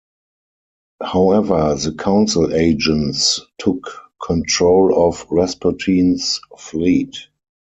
However, the Council agents took control of Rasputin's fleet.